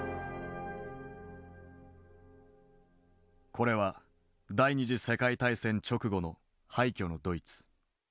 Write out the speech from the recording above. これは第２次世界大戦直後の廃虚のドイツ。